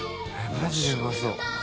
マジでうまそう。